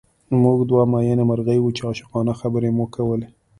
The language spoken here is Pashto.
موږ دوه مئینې مرغۍ وو چې عاشقانه خبرې مو کولې